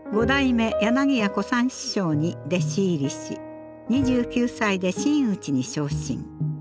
小さん師匠に弟子入りし２９歳で真打ちに昇進。